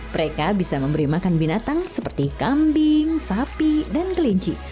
mereka bisa memberi makan binatang seperti kambing sapi dan kelinci